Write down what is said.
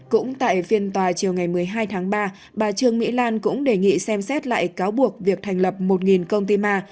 cũng tại phiên tòa chiều ngày một mươi hai tháng ba bà trương mỹ lan cũng đề nghị xem xét lại cáo buộc việc thành lập một công ty ma